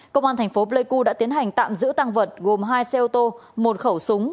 công an thành phố pleiku đã tiến hành tạm giữ tăng vật gồm hai xe ô tô một khẩu súng